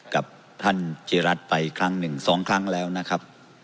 กับท่านเจียรัดไป๑๒ครั้งและนะครับ